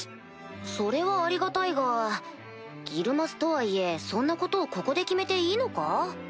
それはありがたいがギルマスとはいえそんなことをここで決めていいのか？